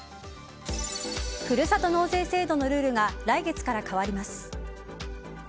ふるさと納税制度のルールが来月から変わります。